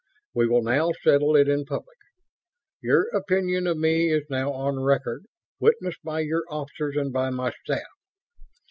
We will now settle it in public. Your opinion of me is now on record, witnessed by your officers and by my staff.